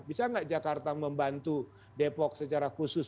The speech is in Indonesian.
bisa nggak jakarta membantu depok secara khusus